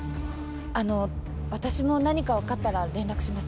あの私も何か分かったら連絡します。